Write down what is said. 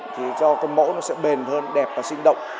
cho mẫu nó sẽ bền hơn đẹp và sinh động